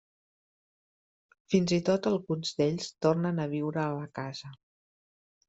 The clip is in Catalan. Fins i tot alguns d’ells tornen a viure a la casa.